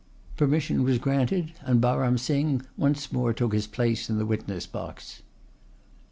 Permission was granted, and Baram Singh once more took his place in the witness box.